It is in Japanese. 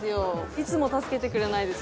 いつも助けてくれないです